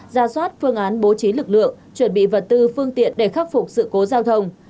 ra soát phương án bố trí lực lượng chuẩn bị vật tư phương tiện để khắc phục sự cố giao thông